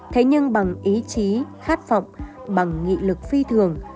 thế nhưng bằng ý chí khát vọng bằng nghị lực phi thường